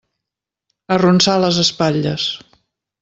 Arronsà les espatlles.